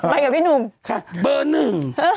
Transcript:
กับพี่หนุ่มค่ะเบอร์หนึ่ง